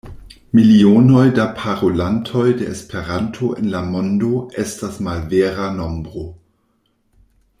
Milionoj da parolantoj de Esperanto en la mondo estas malvera nombro.